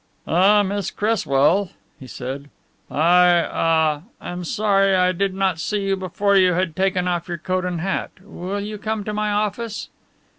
"Ah, Miss Cresswell," he said. "I ah am sorry I did not see you before you had taken off your coat and hat. Will you come to my office?"